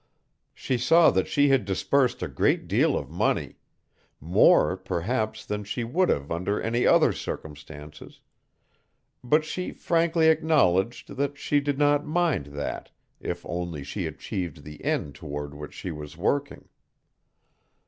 She saw that she had disbursed a great deal of money more, perhaps, than she would have under any other circumstances but she frankly acknowledged that she did not mind that, if only she achieved the end toward which she was working.